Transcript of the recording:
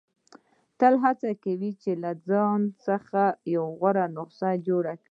• تل هڅه وکړه چې له ځان څخه غوره نسخه جوړه کړې.